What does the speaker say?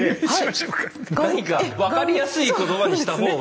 何か分かりやすい言葉にした方が。